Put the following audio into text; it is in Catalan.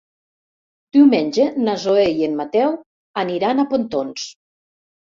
Diumenge na Zoè i en Mateu aniran a Pontons.